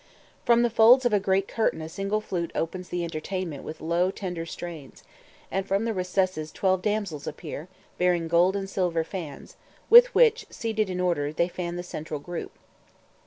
From the folds of a great curtain a single flute opens the entertainment with low tender strains, and from the recesses twelve damsels appear, bearing gold and silver fans, with which, seated in order, they fan the central group.